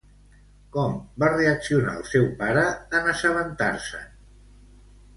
Com va reaccionar el seu pare en assabentar-se'n?